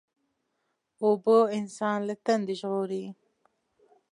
اوبه انسان له تندې ژغوري.